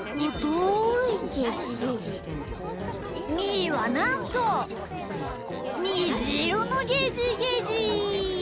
みーはなんとにじいろのゲジゲジ！